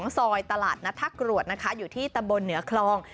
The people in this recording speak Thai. ซอยตลาดนัทกรวดนะคะอยู่ที่ตำบลเหนือคลอง